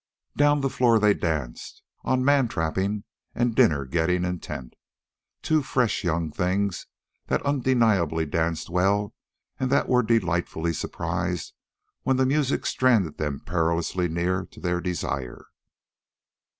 Down the floor they danced, on man trapping and dinner getting intent, two fresh young things that undeniably danced well and that were delightfully surprised when the music stranded them perilously near to their desire.